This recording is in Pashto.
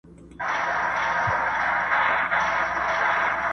کرۍ ورځ به ومه ستړی ډکول مي ګودامونه!.